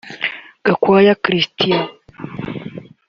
Gakwaya Christian